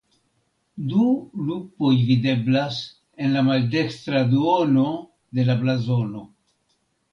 Du lupoj videblas en la maldekstra duono de la blazono.